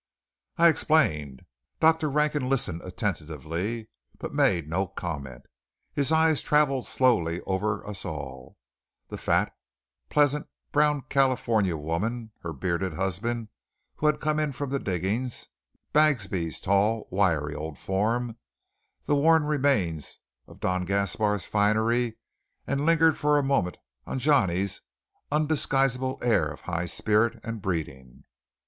I explained. Dr. Rankin listened attentively, but made no comment. His eyes travelled slowly over us all the fat, pleasant, brown California woman, her bearded husband, who had come in from the diggings, Bagsby's tall, wiry old form, the worn remains of Don Gaspar's finery, and lingered a moment on Johnny's undisguisable air of high spirit and breeding.